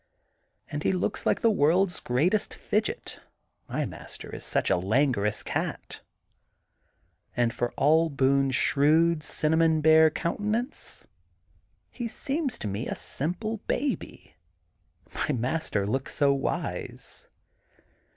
And he looks like the world's great est fidgety my master is such a languorons cat. And for all Boone's shrewd, cinnamon bear countenance, he seems to me a simple baby, my master looks so wise.